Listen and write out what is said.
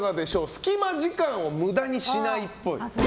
スキマ時間を無駄にしないっぽい。